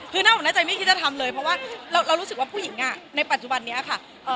คือหน้าอกหน้าใจไม่คิดจะทำเลยเพราะว่าเรารู้สึกว่าผู้หญิงในปัจจุบันนี้ค่ะ